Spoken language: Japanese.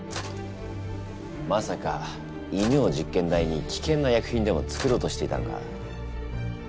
まさか犬を実験台にきけんな薬品でも作ろうとしていたのか？